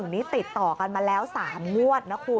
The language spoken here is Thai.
นี่ติดต่อกันมาแล้ว๓งวดนะคุณ